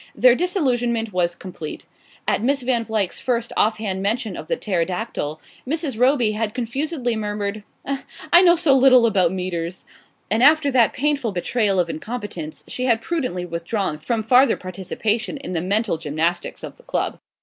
Their disillusionment was complete. At Miss Van Vluyck's first off hand mention of the pterodactyl Mrs. Roby had confusedly murmured: "I know so little about metres " and after that painful betrayal of incompetence she had prudently withdrawn from farther participation in the mental gymnastics of the club.